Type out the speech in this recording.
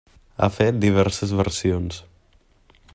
Ha fet diverses versions.